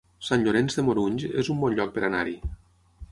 Sant Llorenç de Morunys es un bon lloc per anar-hi